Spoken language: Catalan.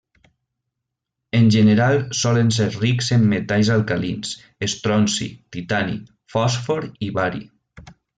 En general solen ser rics en metalls alcalins, estronci, titani, fòsfor i bari.